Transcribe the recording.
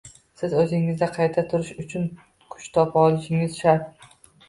siz o’zingizda qayta turish uchun kuch topa olishingiz shart